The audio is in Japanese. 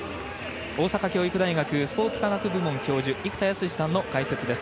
大阪教育大学スポーツ科学部門教授の生田泰志さんの解説です。